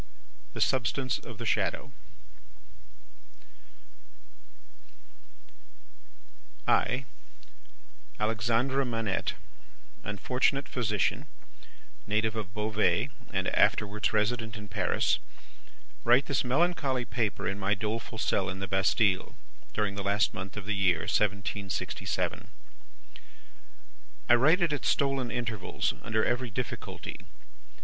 The Substance of the Shadow "I, Alexandre Manette, unfortunate physician, native of Beauvais, and afterwards resident in Paris, write this melancholy paper in my doleful cell in the Bastille, during the last month of the year, 1767. I write it at stolen intervals, under every difficulty.